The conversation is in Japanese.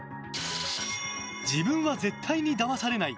自分は絶対にだまされない。